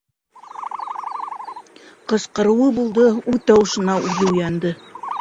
Ҡысҡырыуы булды - үҙ тауышына үҙе уянды.